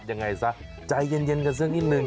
ยังไงซะใจเย็นกันซึ่งอีกหนึ่ง